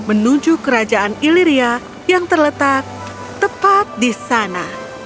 menuju kerajaan illiria yang terletak tepat di sana